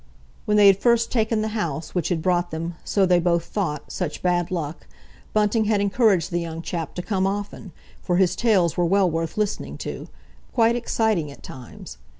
When they had first taken the house which had brought them, so they both thought, such bad luck, Bunting had encouraged the young chap to come often, for his tales were well worth listening to—quite exciting at times.